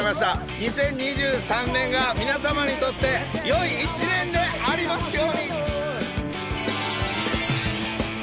２０２３年が皆様にとってよい一年でありますように。